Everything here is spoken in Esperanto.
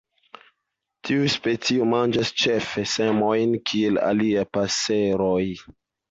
Tiu specio manĝas ĉefe semojn, kiel aliaj paseroj.